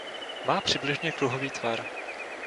Má přibližně kruhový tvar.